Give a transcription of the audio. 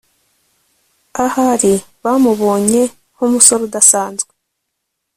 ahari bamubonye nk'umusore udasanzwe